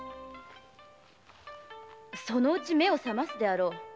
そのうち目を覚ますであろう。